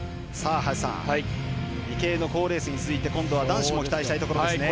池江の好レースに続いて今度は男子も期待したいところですね。